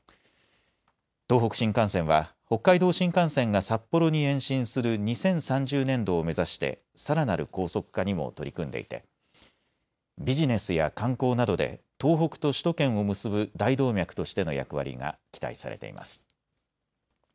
東北新幹線は北海道新幹線が札幌に延伸する２０３０年度を目指してさらなる高速化にも取り組んでいてビジネスや観光などで東北と首都圏を結ぶ大動脈としての役割が期待されています。